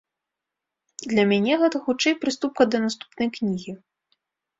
Для мяне гэта хутчэй прыступка да наступнай кнігі.